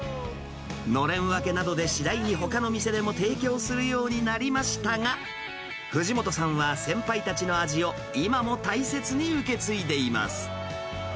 のれん分けなどで、次第にほかの店でも提供するようになりましたが、藤本さんは先輩たちの味を今も大切に受け継いでいます。